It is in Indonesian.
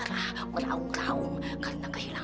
lagi lagi ini anak siapa sih